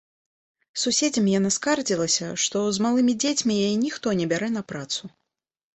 Суседзям яна скардзілася, што з малымі дзецьмі яе ніхто не бярэ на працу.